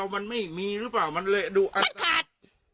มันขาด